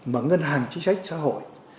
mà ngân hàng chính sách xã hội